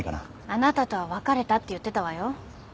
あなたとは別れたって言ってたわよ。